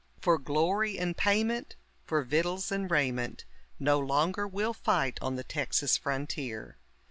For glory and payment, for vittles and raiment, No longer we'll fight on the Texas frontier.